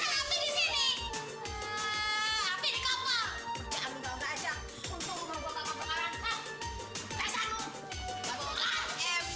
abisnya rambut kalian gak gondrong sih